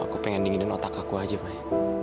aku pengen dinginin otak aku aja mai